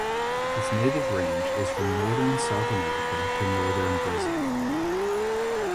Its native range is from northern South America to northern Brazil.